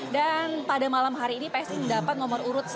dan pada malam hari ini psi mendapat nomor urut sebelas